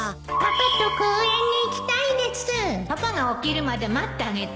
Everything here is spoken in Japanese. パパが起きるまで待ってあげて